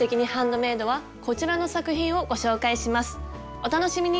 お楽しみに！